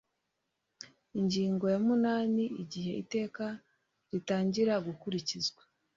ingingo ya munani igihe iteka ritangira gukurikizwa